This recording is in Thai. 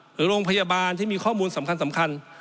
หรือโรงพยาบาลที่มีข้อมูลสำคัญ